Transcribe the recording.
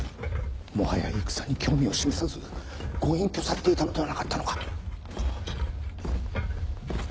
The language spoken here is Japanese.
もはや戦に興味を示さずご隠居されていたのではなかったのか？